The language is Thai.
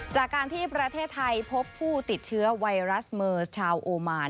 จากการที่ประเทศไทยพบผู้ติดเชื้อไวรัสเมอร์ชาวโอมาน